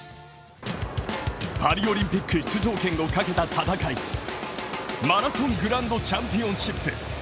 パリオリンピック出場権をかけた戦い、マラソングランドチャンピオンシップ。